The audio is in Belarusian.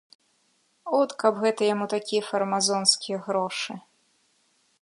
От каб гэта яму такія фармазонскія грошы!